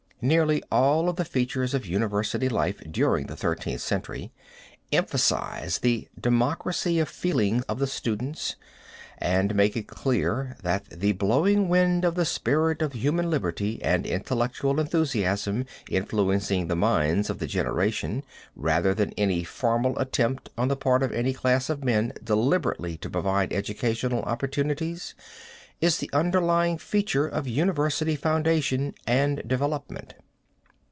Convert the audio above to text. Nearly all of the features of university life during the Thirteenth Century, emphasize the democracy of feeling of the students, and make it clear that the blowing of the wind of the spirit of human liberty and intellectual enthusiasm influencing the minds of the generation, rather than any formal attempt on the part of any class of men deliberately to provide educational opportunities, is the underlying feature of university foundation and development.